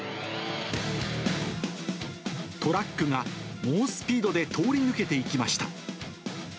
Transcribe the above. トラックが猛スピードで通り抜けていきました。